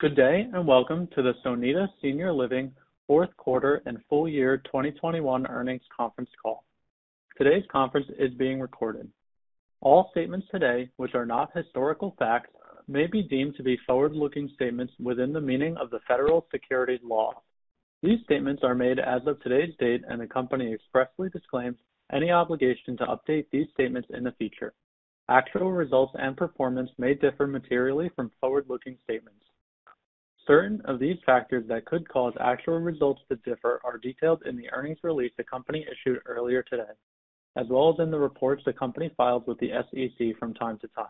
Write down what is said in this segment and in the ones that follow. Good day, and welcome to the Sonida Senior Living fourth quarter and full year 2021 earnings conference call. Today's conference is being recorded. All statements today which are not historical facts may be deemed to be forward-looking statements within the meaning of the federal securities laws. These statements are made as of today's date, and the company expressly disclaims any obligation to update these statements in the future. Actual results and performance may differ materially from forward-looking statements. Certain of these factors that could cause actual results to differ are detailed in the earnings release the company issued earlier today, as well as in the reports the company files with the SEC from time to time,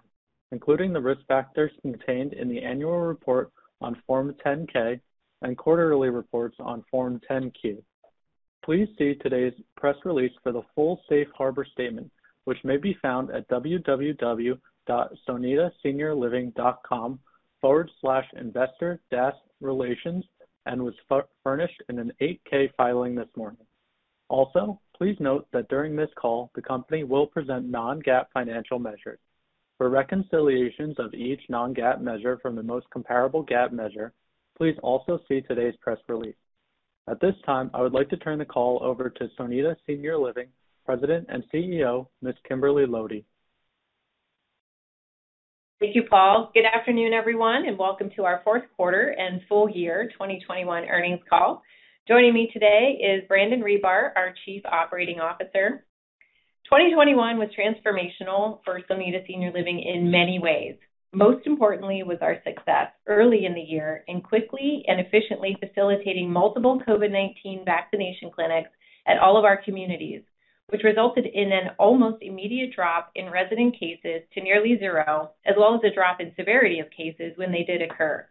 including the risk factors contained in the annual report on Form 10-K and quarterly reports on Form 10-Q. Please see today's press release for the full safe harbor statement, which may be found at www.sonidaseniorliving.com/investor-relations and was furnished in an 8-K filing this morning. Also, please note that during this call, the company will present non-GAAP financial measures. For reconciliations of each non-GAAP measure from the most comparable GAAP measure, please also see today's press release. At this time, I would like to turn the call over to Sonida Senior Living President and CEO, Ms. Kimberly Lody. Thank you, Paul. Good afternoon, everyone, and welcome to our fourth quarter and full year 2021 earnings call. Joining me today is Brandon Ribar, our Chief Operating Officer. 2021 was transformational for Sonida Senior Living in many ways. Most importantly was our success early in the year in quickly and efficiently facilitating multiple COVID-19 vaccination clinics at all of our communities, which resulted in an almost immediate drop in resident cases to nearly zero, as well as a drop in severity of cases when they did occur.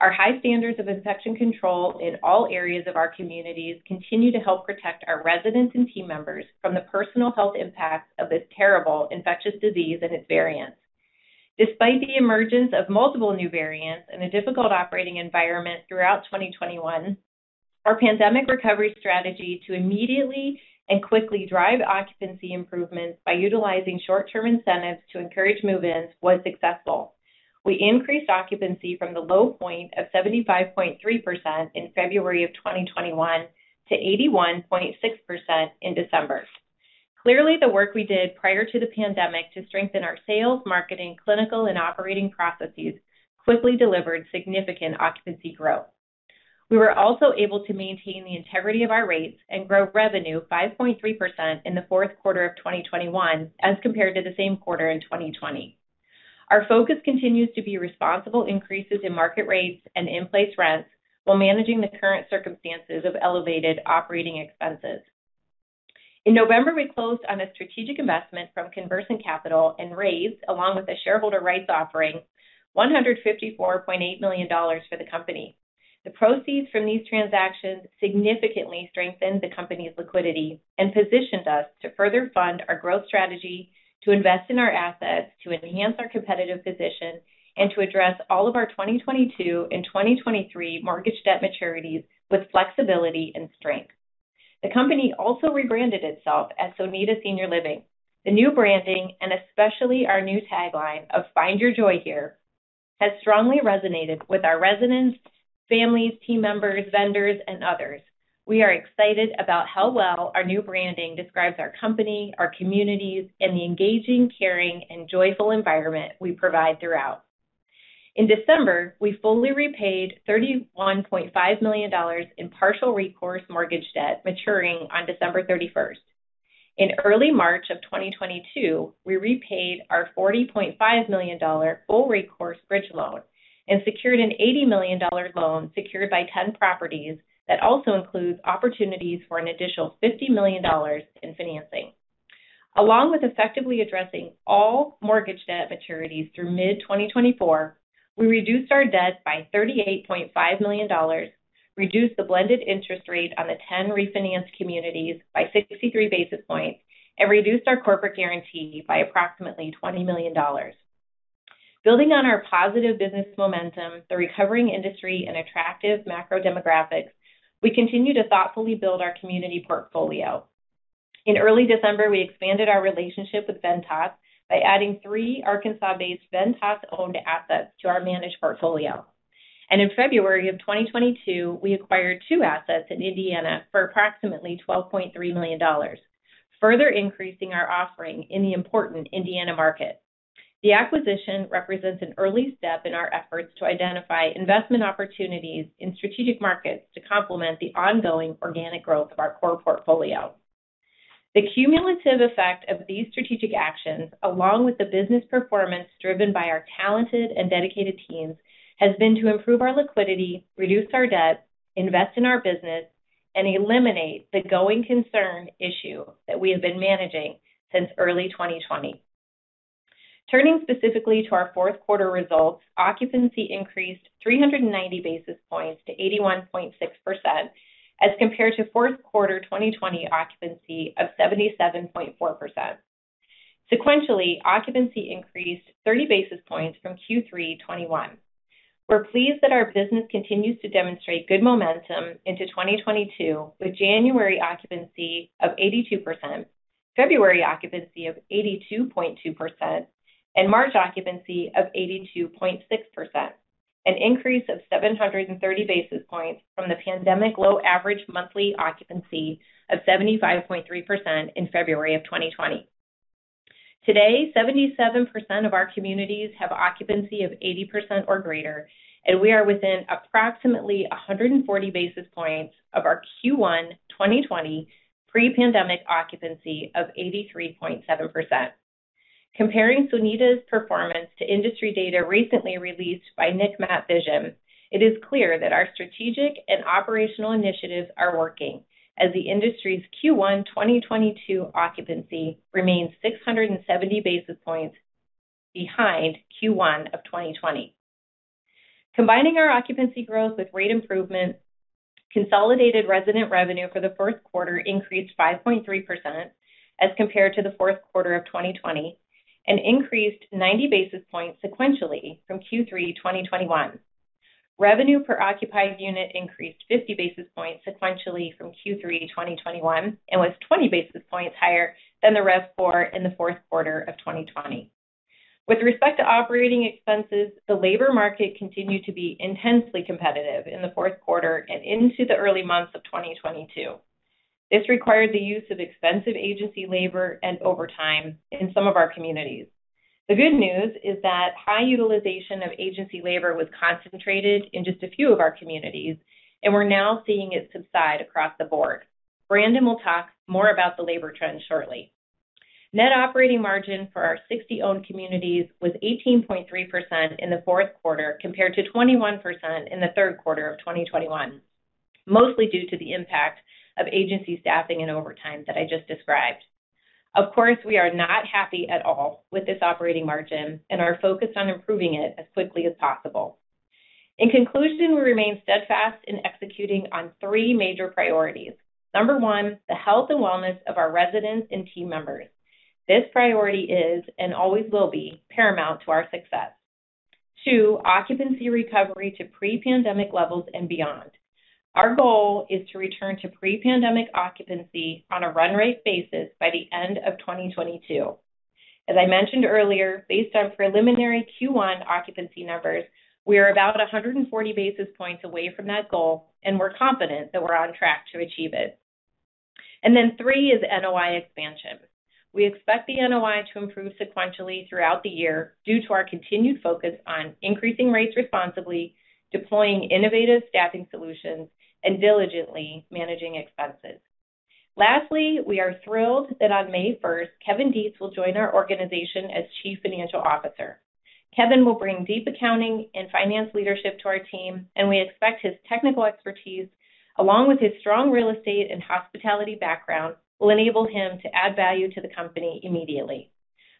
Our high standards of infection control in all areas of our communities continue to help protect our residents and team members from the personal health impacts of this terrible infectious disease and its variants. Despite the emergence of multiple new variants and a difficult operating environment throughout 2021, our pandemic recovery strategy to immediately and quickly drive occupancy improvements by utilizing short-term incentives to encourage move-ins was successful. We increased occupancy from the low point of 75.3% in February 2021 to 81.6% in December. Clearly, the work we did prior to the pandemic to strengthen our sales, marketing, clinical, and operating processes quickly delivered significant occupancy growth. We were also able to maintain the integrity of our rates and grow revenue 5.3% in the fourth quarter of 2021 as compared to the same quarter in 2020. Our focus continues to be responsible increases in market rates and in-place rents while managing the current circumstances of elevated operating expenses. In November, we closed on a strategic investment from Conversant Capital and raised, along with a shareholder rights offering, $154.8 million for the company. The proceeds from these transactions significantly strengthened the company's liquidity and positioned us to further fund our growth strategy, to invest in our assets, to enhance our competitive position, and to address all of our 2022 and 2023 mortgage debt maturities with flexibility and strength. The company also rebranded itself as Sonida Senior Living. The new branding, and especially our new tagline of Find Your Joy Here, has strongly resonated with our residents, families, team members, vendors, and others. We are excited about how well our new branding describes our company, our communities, and the engaging, caring, and joyful environment we provide throughout. In December, we fully repaid $31.5 million in partial recourse mortgage debt maturing on December 31st. In early March of 2022, we repaid our $40.5 million full recourse bridge loan and secured an $80 million loan secured by 10 properties that also includes opportunities for an additional $50 million in financing. Along with effectively addressing all mortgage debt maturities through mid-2024, we reduced our debt by $38.5 million, reduced the blended interest rate on the 10 refinanced communities by 63 basis points, and reduced our corporate guarantee by approximately $20 million. Building on our positive business momentum, the recovering industry, and attractive macro demographics, we continue to thoughtfully build our community portfolio. In early December, we expanded our relationship with Ventas by adding three Arkansas-based Ventas-owned assets to our managed portfolio. In February of 2022, we acquired two assets in Indiana for approximately $12.3 million, further increasing our offering in the important Indiana market. The acquisition represents an early step in our efforts to identify investment opportunities in strategic markets to complement the ongoing organic growth of our core portfolio. The cumulative effect of these strategic actions, along with the business performance driven by our talented and dedicated teams, has been to improve our liquidity, reduce our debt, invest in our business, and eliminate the going concern issue that we have been managing since early 2020. Turning specifically to our fourth quarter results, occupancy increased 390 basis points to 81.6% as compared to fourth quarter 2020 occupancy of 77.4%. Sequentially, occupancy increased 30 basis points from Q3 2021. We're pleased that our business continues to demonstrate good momentum into 2022 with January occupancy of 82%, February occupancy of 82.2%, and March occupancy of 82.6%, an increase of 730 basis points from the pandemic low average monthly occupancy of 75.3% in February of 2020. Today, 77% of our communities have occupancy of 80% or greater, and we are within approximately 140 basis points of our Q1 2020 pre-pandemic occupancy of 83.7%. Comparing Sonida's performance to industry data recently released by NIC MAP Vision, it is clear that our strategic and operational initiatives are working, as the industry's Q1 2022 occupancy remains 670 basis points behind Q1 of 2020. Combining our occupancy growth with rate improvement, consolidated resident revenue for the first quarter increased 5.3% as compared to the fourth quarter of 2020 and increased 90 basis points sequentially from Q3 2021. Revenue per occupied unit increased 50 basis points sequentially from Q3 2021 and was 20 basis points higher than the RevPOR in the fourth quarter of 2020. With respect to operating expenses, the labor market continued to be intensely competitive in the fourth quarter and into the early months of 2022. This required the use of expensive agency labor and overtime in some of our communities. The good news is that high utilization of agency labor was concentrated in just a few of our communities, and we're now seeing it subside across the board. Brandon will talk more about the labor trends shortly. Net operating margin for our 60 owned communities was 18.3% in the fourth quarter compared to 21% in the third quarter of 2021, mostly due to the impact of agency staffing and overtime that I just described. Of course, we are not happy at all with this operating margin and are focused on improving it as quickly as possible. In conclusion, we remain steadfast in executing on three major priorities. Number 1, the health and wellness of our residents and team members. This priority is and always will be paramount to our success. occupancy recovery to pre-pandemic levels and beyond. Our goal is to return to pre-pandemic occupancy on a run rate basis by the end of 2022. As I mentioned earlier, based on preliminary Q1 occupancy numbers, we are about 140 basis points away from that goal, and we're confident that we're on track to achieve it. Three is NOI expansion. We expect the NOI to improve sequentially throughout the year due to our continued focus on increasing rates responsibly, deploying innovative staffing solutions, and diligently managing expenses. Lastly, we are thrilled that on May first, Kevin Detz will join our organization as Chief Financial Officer. Kevin will bring deep accounting and finance leadership to our team, and we expect his technical expertise, along with his strong real estate and hospitality background, will enable him to add value to the company immediately.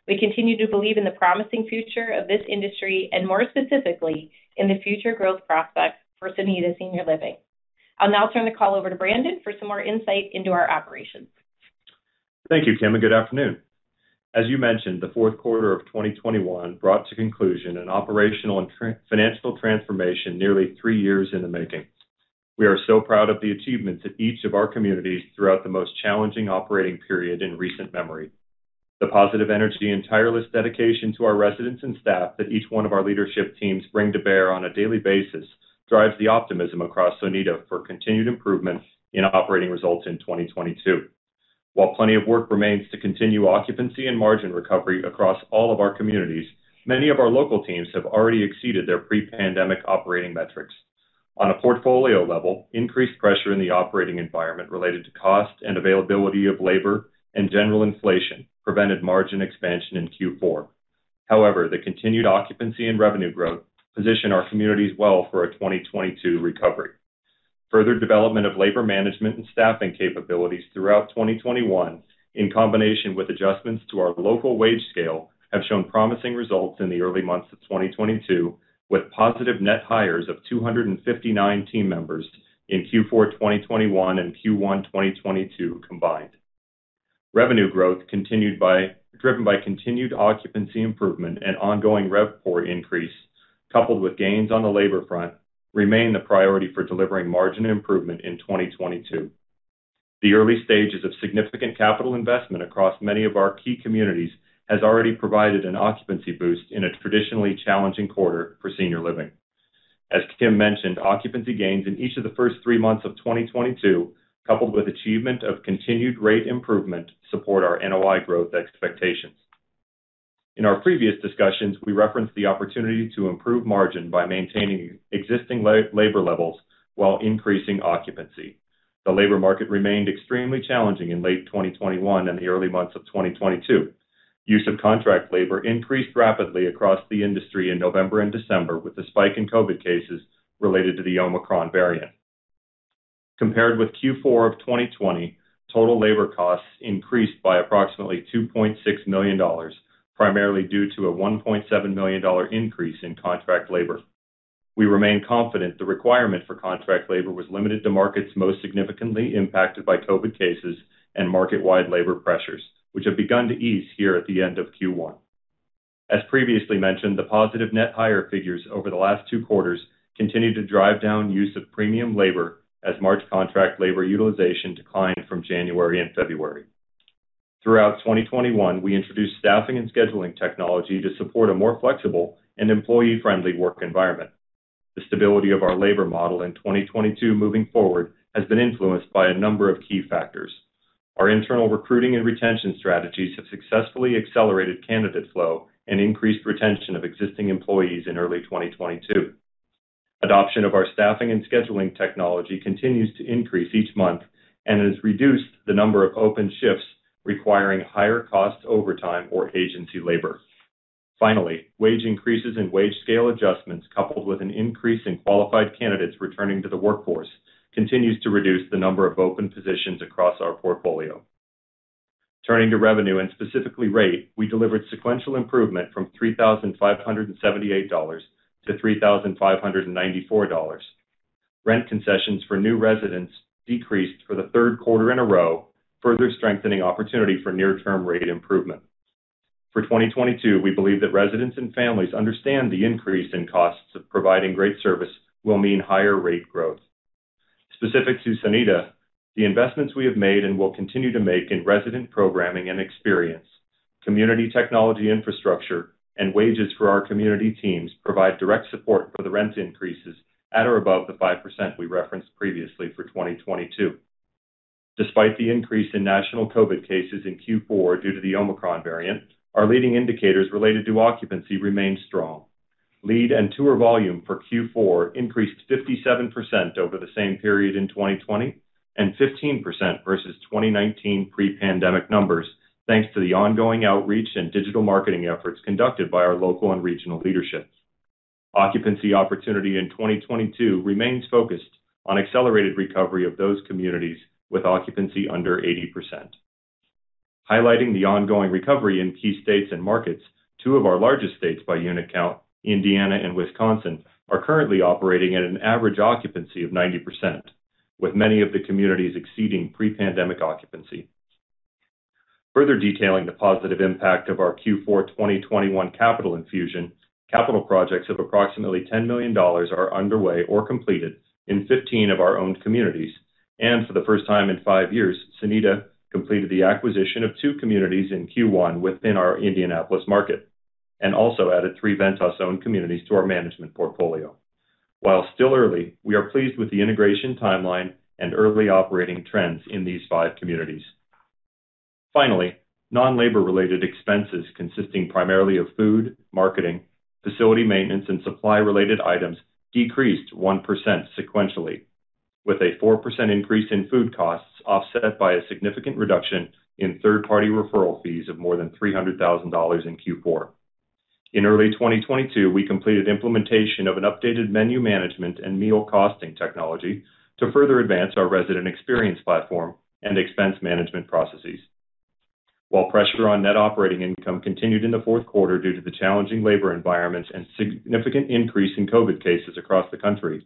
We continue to believe in the promising future of this industry and, more specifically, in the future growth prospects for Sonida Senior Living. I'll now turn the call over to Brandon for some more insight into our operations. Thank you, Kim, and good afternoon. As you mentioned, the fourth quarter of 2021 brought to conclusion an operational and financial transformation nearly 3 years in the making. We are so proud of the achievements of each of our communities throughout the most challenging operating period in recent memory. The positive energy and tireless dedication to our residents and staff that each one of our leadership teams bring to bear on a daily basis drives the optimism across Sonida for continued improvements in operating results in 2022. While plenty of work remains to continue occupancy and margin recovery across all of our communities, many of our local teams have already exceeded their pre-pandemic operating metrics. On a portfolio level, increased pressure in the operating environment related to cost and availability of labor and general inflation prevented margin expansion in Q4. However, the continued occupancy and revenue growth position our communities well for a 2022 recovery. Further development of labor management and staffing capabilities throughout 2021, in combination with adjustments to our local wage scale, have shown promising results in the early months of 2022, with positive net hires of 259 team members in Q4 2021 and Q1 2022 combined. Revenue growth driven by continued occupancy improvement and ongoing RevPOR increase, coupled with gains on the labor front, remain the priority for delivering margin improvement in 2022. The early stages of significant capital investment across many of our key communities has already provided an occupancy boost in a traditionally challenging quarter for senior living. As Kim mentioned, occupancy gains in each of the first three months of 2022, coupled with achievement of continued rate improvement, support our NOI growth expectations. In our previous discussions, we referenced the opportunity to improve margin by maintaining existing labor levels while increasing occupancy. The labor market remained extremely challenging in late 2021 and the early months of 2022. Use of contract labor increased rapidly across the industry in November and December, with a spike in COVID cases related to the Omicron variant. Compared with Q4 of 2020, total labor costs increased by approximately $2.6 million, primarily due to a $1.7 million increase in contract labor. We remain confident the requirement for contract labor was limited to markets most significantly impacted by COVID cases and market-wide labor pressures, which have begun to ease here at the end of Q1. As previously mentioned, the positive net hire figures over the last two quarters continued to drive down use of premium labor as March contract labor utilization declined from January and February. Throughout 2021, we introduced staffing and scheduling technology to support a more flexible and employee-friendly work environment. The stability of our labor model in 2022 moving forward has been influenced by a number of key factors. Our internal recruiting and retention strategies have successfully accelerated candidate flow and increased retention of existing employees in early 2022. Adoption of our staffing and scheduling technology continues to increase each month and has reduced the number of open shifts requiring higher cost overtime or agency labor. Finally, wage increases and wage scale adjustments, coupled with an increase in qualified candidates returning to the workforce, continues to reduce the number of open positions across our portfolio. Turning to revenue and specifically rate, we delivered sequential improvement from $3,578 to $3,594. Rent concessions for new residents decreased for the third quarter in a row, further strengthening opportunity for near-term rate improvement. For 2022, we believe that residents and families understand the increase in costs of providing great service will mean higher rate growth. Specific to Sonida, the investments we have made and will continue to make in resident programming and experience, community technology infrastructure, and wages for our community teams provide direct support for the rent increases at or above the 5% we referenced previously for 2022. Despite the increase in national COVID cases in Q4 due to the Omicron variant, our leading indicators related to occupancy remain strong. Lead and tour volume for Q4 increased 57% over the same period in 2020 and 15% versus 2019 pre-pandemic numbers, thanks to the ongoing outreach and digital marketing efforts conducted by our local and regional leaderships. Occupancy opportunity in 2022 remains focused on accelerated recovery of those communities with occupancy under 80%. Highlighting the ongoing recovery in key states and markets, two of our largest states by unit count, Indiana and Wisconsin, are currently operating at an average occupancy of 90%, with many of the communities exceeding pre-pandemic occupancy. Further detailing the positive impact of our Q4 2021 capital infusion, capital projects of approximately $10 million are underway or completed in 15 of our owned communities. For the first time in 5 years, Sonida completed the acquisition of two communities in Q1 within our Indianapolis market and also added three Ventas-owned communities to our management portfolio. While still early, we are pleased with the integration timeline and early operating trends in these five communities. Finally, non-labor related expenses consisting primarily of food, marketing, facility maintenance, and supply related items decreased 1% sequentially, with a 4% increase in food costs offset by a significant reduction in third-party referral fees of more than $300,000 in Q4. In early 2022, we completed implementation of an updated menu management and meal costing technology to further advance our resident experience platform and expense management processes. While pressure on net operating income continued in the fourth quarter due to the challenging labor environments and significant increase in COVID cases across the country,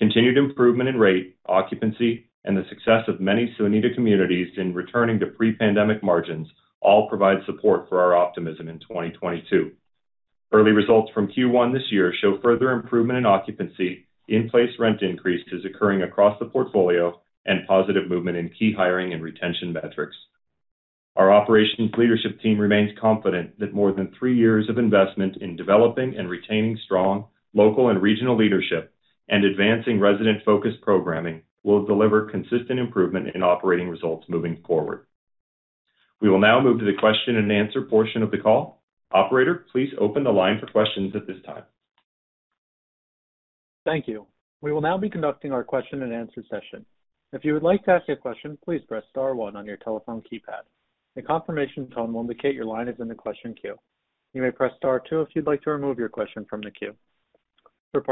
continued improvement in rate, occupancy, and the success of many Sonida communities in returning to pre-pandemic margins all provide support for our optimism in 2022. Early results from Q1 this year show further improvement in occupancy, in-place rent increases occurring across the portfolio, and positive movement in key hiring and retention metrics. Our operations leadership team remains confident that more than 3 years of investment in developing and retaining strong local and regional leadership and advancing resident-focused programming will deliver consistent improvement in operating results moving forward. We will now move to the question and answer portion of the call. Operator, please open the line for questions at this time. Thank you. We will now be conducting our question and answer session. Our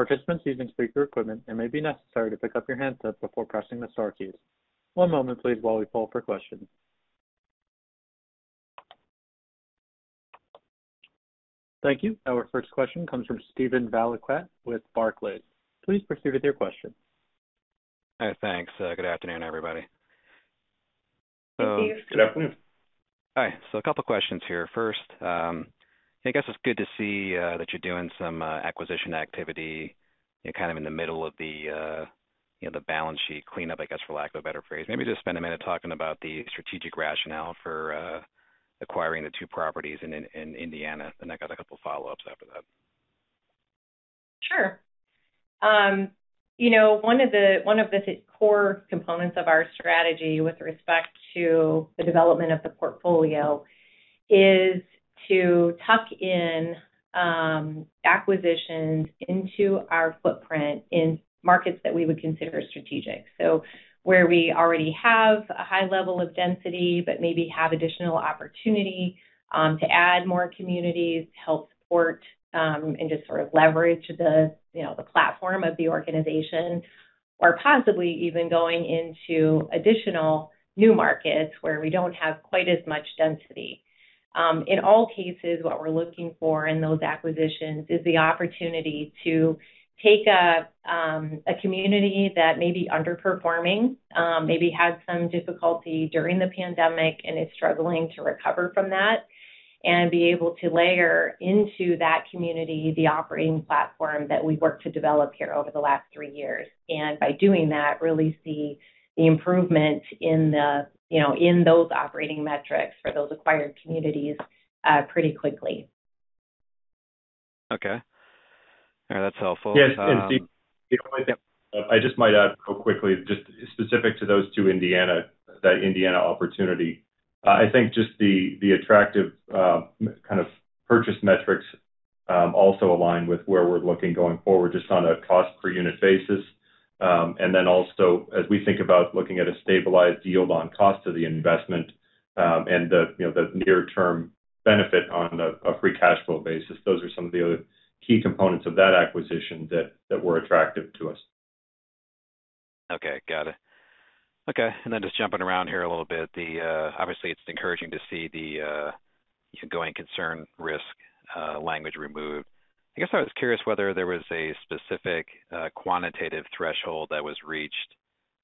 first question comes from Steven Valiquette with Barclays. Please proceed with your question. Thanks. Good afternoon, everybody. Thank you. Good afternoon. Hi. A couple questions here. First, I guess it's good to see that you're doing some acquisition activity, you know, kind of in the middle of the, you know, the balance sheet cleanup, I guess, for lack of a better phrase. Maybe just spend a minute talking about the strategic rationale for acquiring the two properties in Indiana, and I got a couple follow-ups after that. Sure. You know, one of the core components of our strategy with respect to the development of the portfolio is to tuck in acquisitions into our footprint in markets that we would consider strategic. Where we already have a high level of density, but maybe have additional opportunity to add more communities, help support, and just sort of leverage the, you know, the platform of the organization, or possibly even going into additional new markets where we don't have quite as much density. In all cases, what we're looking for in those acquisitions is the opportunity to take a community that may be underperforming, maybe had some difficulty during the pandemic and is struggling to recover from that. Be able to layer into that community the operating platform that we worked to develop here over the last three years, and by doing that, really see the improvement in the, you know, in those operating metrics for those acquired communities pretty quickly. Okay. All right, that's helpful. Yes, Steve, the only thing I just might add real quickly, just specific to that Indiana opportunity, I think just the attractive kind of purchase metrics also align with where we're looking going forward just on a cost per unit basis. Also as we think about looking at a stabilized yield on cost of the investment, and the near-term benefit on a free cash flow basis, those are some of the other key components of that acquisition that were attractive to us. Okay. Got it. Okay, just jumping around here a little bit. Obviously, it's encouraging to see the going concern risk language removed. I guess I was curious whether there was a specific quantitative threshold that was reached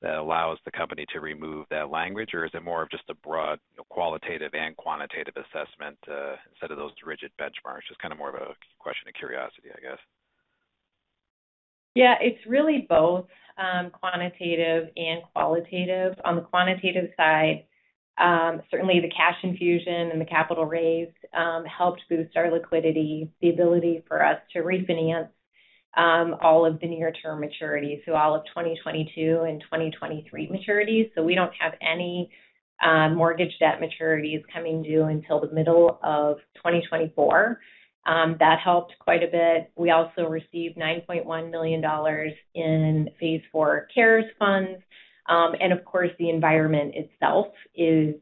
that allows the company to remove that language, or is it more of just a broad, you know, qualitative and quantitative assessment to instead of those rigid benchmarks? Just kind of more of a question of curiosity, I guess. Yeah, it's really both, quantitative and qualitative. On the quantitative side, certainly the cash infusion and the capital raised helped boost our liquidity, the ability for us to refinance all of the near-term maturities, so all of 2022 and 2023 maturities. We don't have any mortgage debt maturities coming due until the middle of 2024. That helped quite a bit. We also received $9.1 million in phase four CARES funds. Of course, the environment itself is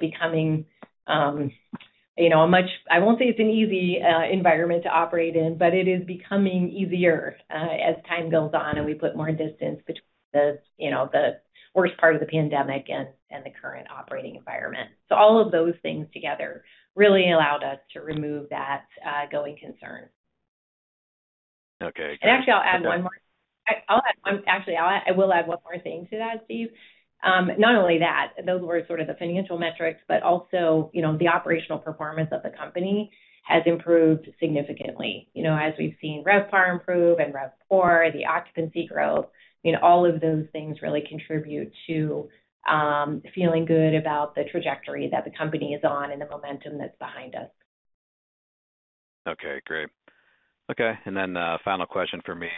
becoming, you know, a much I won't say it's an easy environment to operate in, but it is becoming easier as time goes on and we put more distance between the, you know, the worst part of the pandemic and the current operating environment. All of those things together really allowed us to remove that going concern. Okay. Actually, I will add one more thing to that, Steve. Not only that, those were sort of the financial metrics, but also, you know, the operational performance of the company has improved significantly. You know, as we've seen RevPAR improve and RevPOR, the occupancy growth, you know, all of those things really contribute to feeling good about the trajectory that the company is on and the momentum that's behind us. Okay, great. Okay, then final question from me.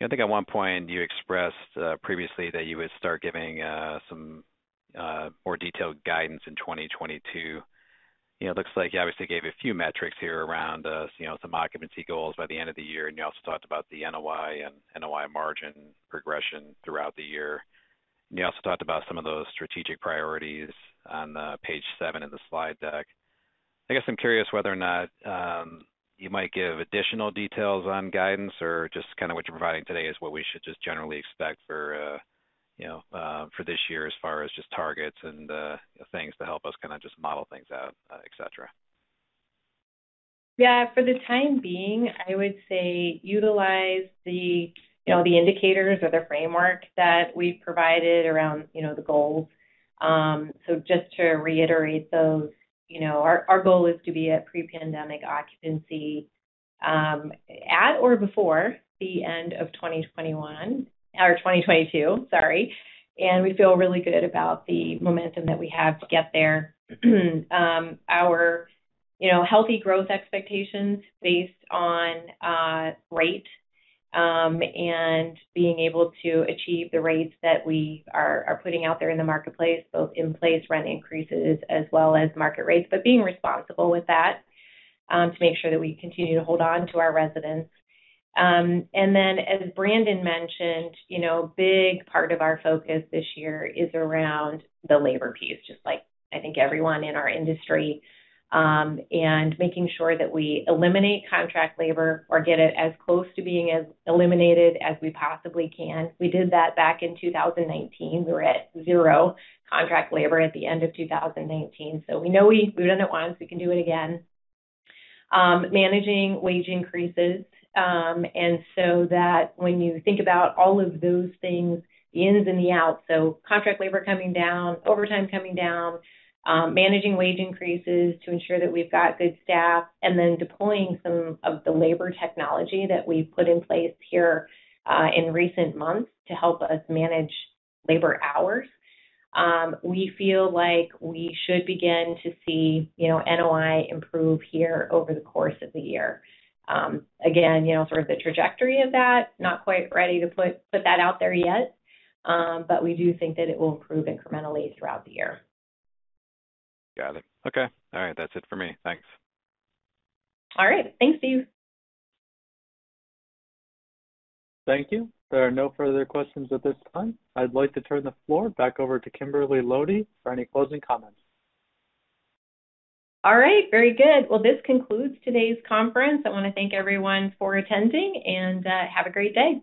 You know, I think at one point you expressed previously that you would start giving some more detailed guidance in 2022. You know, looks like you obviously gave a few metrics here around you know some occupancy goals by the end of the year, and you also talked about the NOI and NOI margin progression throughout the year. You also talked about some of those strategic priorites on page seven of the slide deck. I guess I'm curious whether or not you might give additional details on guidance or just kinda what you're providing today is what we should just generally expect for you know for this year as far as just targets and things to help us kinda just model things out, et cetera. Yeah. For the time being, I would say utilize the, you know, the indicators or the framework that we've provided around, you know, the goals. So just to reiterate those, you know, our goal is to be at pre-pandemic occupancy at or before the end of 2022, and we feel really good about the momentum that we have to get there. Our healthy growth expectations based on rate and being able to achieve the rates that we are putting out there in the marketplace, both in place rent increases as well as market rates, but being responsible with that to make sure that we continue to hold on to our residents. As Brandon mentioned, you know, a big part of our focus this year is around the labor piece, just like I think everyone in our industry, and making sure that we eliminate contract labor or get it as close to being as eliminated as we possibly can. We did that back in 2019. We were at zero contract labor at the end of 2019, so we know we've done it once, we can do it again. Managing wage increases, and so that when you think about all of those things, the ins and the outs, so contract labor coming down, overtime coming down, managing wage increases to ensure that we've got good staff, and then deploying some of the labor technology that we've put in place here, in recent months to help us manage labor hours, we feel like we should begin to see, you know, NOI improve here over the course of the year. Again, you know, sort of the trajectory of that, not quite ready to put that out there yet, but we do think that it will improve incrementally throughout the year. Got it. Okay. All right. That's it for me. Thanks. All right. Thanks, Steve. Thank you. There are no further questions at this time. I'd like to turn the floor back over to Kimberly Lody for any closing comments. All right. Very good. Well, this concludes today's conference. I wanna thank everyone for attending and have a great day.